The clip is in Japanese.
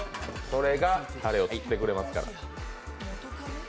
それがたれを吸ってくれますから。